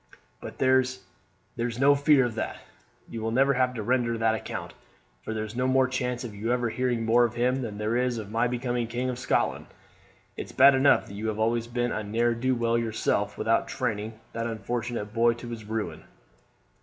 But there there's no fear of that. You will never have to render that account, for there's no more chance of your ever hearing more of him than there is of my becoming king of Scotland. It's bad enough that you have always been a ne'er do well yourself without training that unfortunate boy to his ruin."